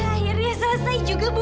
akhirnya selesai juga bu